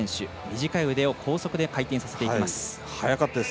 短い腕を高速で回転させていきます。